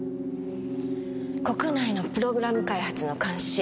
国内のプログラム開発の監視